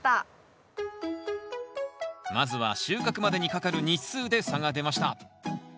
まずは収穫までにかかる日数で差が出ました